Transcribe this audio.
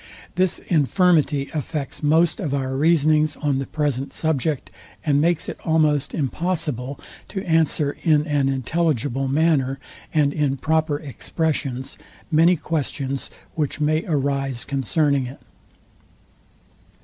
This infirmity affects most of our reasonings on the present subject, and makes it almost impossible to answer in an intelligible manner, and in proper expressions, many questions which may arise concerning it.